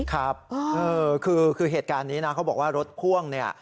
ครับคือเหตุการณ์นี้นะเขาบอกว่ารถพ่วงเนี่ย